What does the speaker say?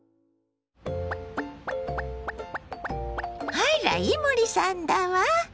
あら伊守さんだわ！